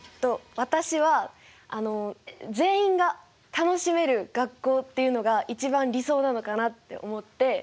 私はあの全員が楽しめる学校っていうのが一番理想なのかなって思って。